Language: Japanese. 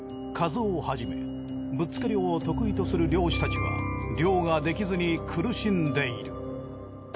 一夫をはじめぶっつけ漁を得意とする漁師たちは漁ができずに苦しんでいる。